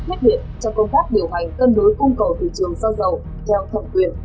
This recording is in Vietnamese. thiết hiện cho công tác điều hành tân đối cung cầu thị trường xăng dầu theo thẩm quyền